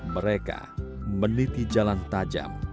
mereka meneliti jalan tajam